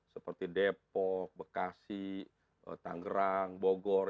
seperti depok bekasi tangerang bogor